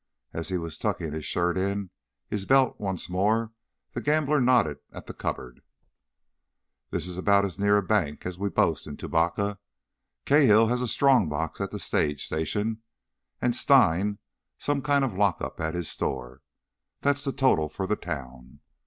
As he was tucking his shirt in his belt once more the gambler nodded at the cupboard. "This is about as near a bank as we boast in Tubacca. Cahill has a strongbox at the stage station, and Stein some kind of a lockup at his store—that's the total for the town.